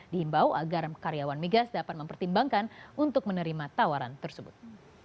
diimbau agar karyawan migas dapat mempertimbangkan untuk menerima tawaran tersebut